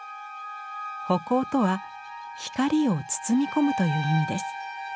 葆光とは「光を包み込む」という意味です。